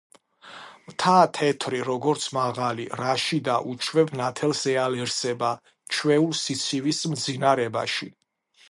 მთა თეთრი როგორც მაღალი რაში და უჩვევ ნათელს ეალერსება ჩვეულ სიცივის მძინარებაში